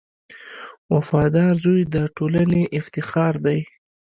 • وفادار زوی د ټولنې افتخار دی.